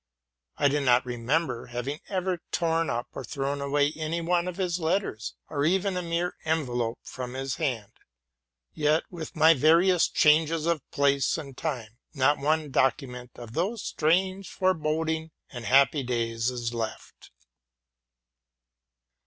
I do not remember havi ing ever torn up or thrown away one of his letters, or even a mere envelope from his hand; yet, with my various changes of place and time, not one document of those strange, 'foreboding, and happy days is left.